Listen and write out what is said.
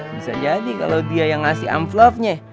bisa jadi kalo dia yang ngasih amplofnya